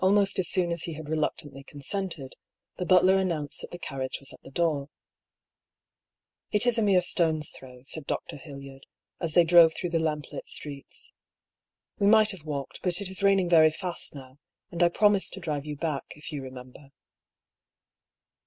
Almost as soon as he had reluctantly consented, the butler announced that the carriage was at the door. " It is a mere stone's throw," said Dr. Hildyard, as they drove through the lamplit streets. " We might have walked; but it is raining very fast now, and I promised to drive you back, if you remember."